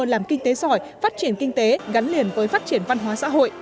làm kinh tế giỏi phát triển kinh tế gắn liền với phát triển văn hóa xã hội